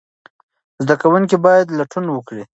زده کوونکي باید لټون وکړي.